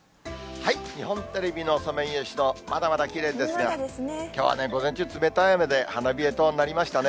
日本テレビのソメイヨシノ、まだまだきれいですが、きょうはね、午前中、冷たい雨で花冷えとなりましたね。